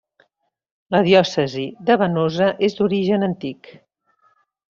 La Diòcesi de Venosa és d'origen antic.